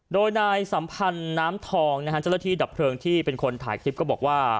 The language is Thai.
โดยนายสัมพันธ์น้ำทองนะฮะเจ้าหน้าที่ดับเพลิงที่เป็นคนถ่ายคลิปก็บอกว่า